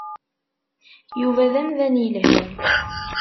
Yuba d amdan yelhan.